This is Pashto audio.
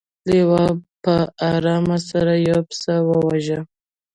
لیوه په ارامۍ سره یو پسه وواژه.